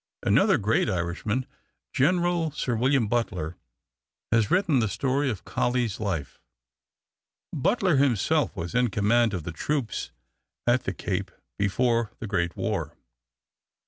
Another great Irishman, General Sir William Butler, has written the story of Colley's life. Butler himself was in command of the troops at the Cape before the great war.